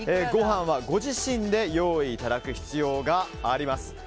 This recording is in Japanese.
ご飯はご自身で用意いただく必要があります。